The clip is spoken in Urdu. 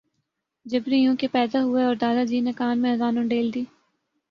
جبری یوں کہ پیدا ہوئے اور دادا جی نے کان میں اذان انڈیل دی